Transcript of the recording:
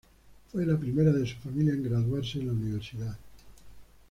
Fue la primera de su familia en graduarse en la universidad.